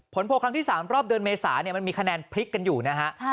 โพลครั้งที่๓รอบเดือนเมษามันมีคะแนนพลิกกันอยู่นะฮะ